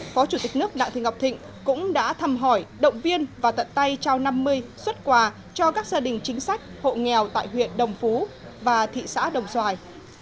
phó chủ tịch nước đặng thị ngọc thịnh cũng đã thăm hỏi động viên và tận tay trao năm mươi xuất quà cho các gia đình chính sách hộ nghèo tại huyện đồng phú và thị xã đồng xoài